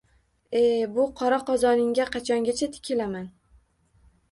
E bu qora qozoningizga qachongacha tikilaman